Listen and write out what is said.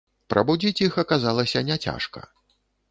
Прабудзіць іх аказалася няцяжка.